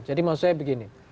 jadi maksudnya begini